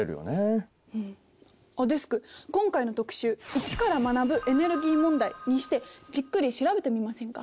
「イチから学ぶエネルギー問題」にしてじっくり調べてみませんか？